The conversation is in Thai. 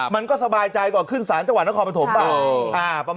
มันก็สบายใจกว่าขึ้นสารจังหวัดนครบรรถมป่าว